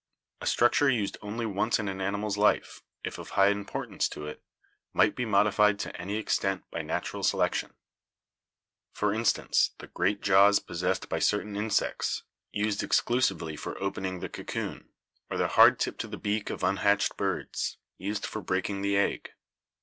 A structure used only once in an animal's life, if of high importance to it, might be modified to any extent by natural selection; for instance, the great jaws pos sessed by certain insects, used exclusively for opening the 204 BIOLOGY cocoon; or the hard tip to the beak of unhatched birds, used for breaking the egg.